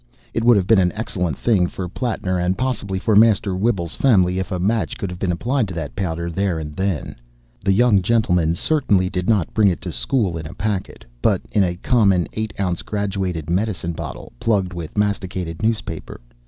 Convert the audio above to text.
It would have been an excellent thing for Plattner, and possibly for Master Whibble's family, if a match could have been applied to that powder there and then. The young gentleman certainly did not bring it to school in a packet, but in a common eight ounce graduated medicine bottle, plugged with masticated newspaper.